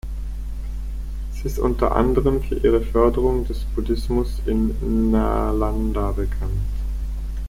Sie ist unter anderem für ihre Förderung des Buddhismus in Nalanda bekannt.